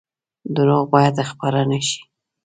دروغ باید خپاره نشي